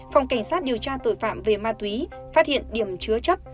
phòng cảnh sát điều tra tội phạm về ma túy phát hiện điểm chứa chấp